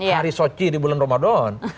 hari suci di bulan ramadan